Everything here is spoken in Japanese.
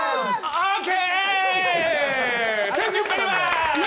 ！ＯＫ！